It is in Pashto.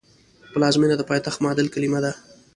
پلازمېنه د پایتخت معادل کلمه ده